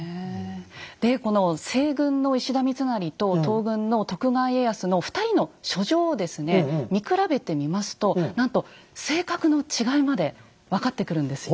でこの西軍の石田三成と東軍の徳川家康の２人の書状をですね見比べてみますとなんと性格の違いまで分かってくるんですよ。